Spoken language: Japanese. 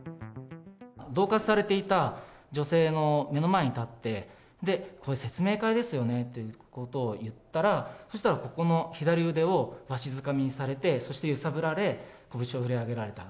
どう喝されていた女性の目の前に立って、これ、説明会ですよね？ということを言ったら、そしたらここの左腕をわしづかみにされて、そして揺さぶられ、こぶしを振り上げられた。